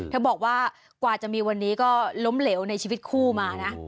บอกว่ากว่าจะมีวันนี้ก็ล้มเหลวในชีวิตคู่มานะ